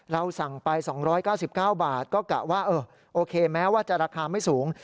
เราสั่งไป๒๙๙บาทก็กะว่าโอเคแม้ว่าจะราคาไม่สูง